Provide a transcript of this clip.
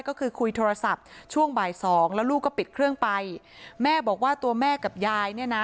ก็คือคุยโทรศัพท์ช่วงบ่ายสองแล้วลูกก็ปิดเครื่องไปแม่บอกว่าตัวแม่กับยายเนี่ยนะ